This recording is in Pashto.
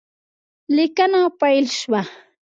لیکنه پیل شوه